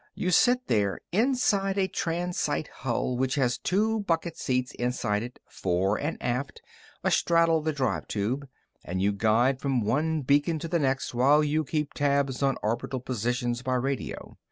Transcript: You sit there inside a transite hull, which has two bucket seats inside it, fore and aft, astraddle the drive tube, and you guide from one beacon to the next while you keep tabs on orbital positions by radio.